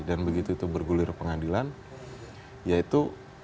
dan begitu itu bergulir pengadilan yaitu